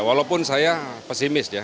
walaupun saya pesimis ya